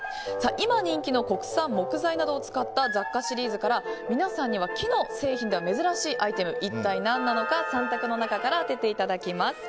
今人気の国産木材などを使った雑貨シリーズから皆さんには、木の製品では珍しいアイテム、一体何なのか３択の中から当てていただきます。